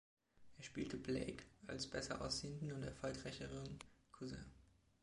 Er spielte Blake, Earls besser aussehenden und erfolgreicheren Cousin.